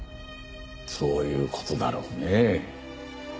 そういう事だろうねえ。